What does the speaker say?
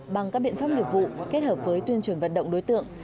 bằng các biện pháp nghiệp vụ kết hợp với tuyên truyền vận động đối tượng